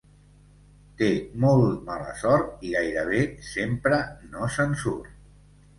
Té molt mala sort i gairebé sempre no se'n surt.